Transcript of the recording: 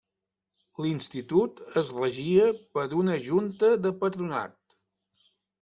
L'Institut es regia per una Junta de Patronat.